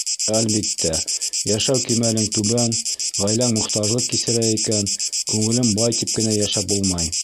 Әлбиттә, йәшәү кимәлең түбән, ғаиләң мохтажлыҡ кисерә икән, күңелем бай тип кенә йәшәп булмай.